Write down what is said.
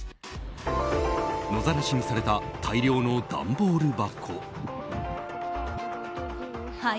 野ざらしにされた大量の段ボール箱。